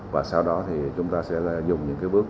và sau đó thì chúng ta sẽ dùng những cái bước